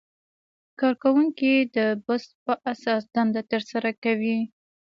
کارکوونکي د بست په اساس دنده ترسره کوي.